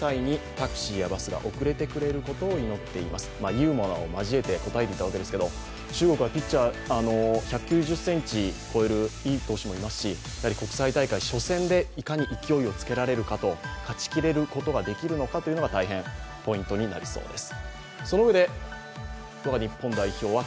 ユーモアを交えて答えていたわけですけど、中国はピッチャーが１９０ｃｍを超えるポジションもいますし、国際大会初戦でいかに勢いをつけられるか、勝ち切れるかというのがポイントになりそうです。